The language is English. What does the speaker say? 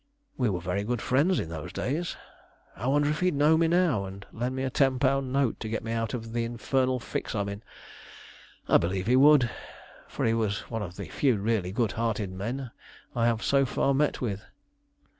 "We were very good friends in those days. I wonder if he'd know me now, and lend me a ten pound note to get me out of the infernal fix I'm in? I believe he would, for he was one of the few really good hearted men I have so far met with.